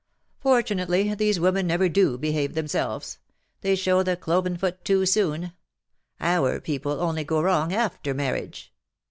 Fortunately, these women never do behave themselves : they show the cloven foot too soon ; our people only go wrong after marriage.